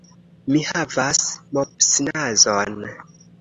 Mi havas mopsnazon.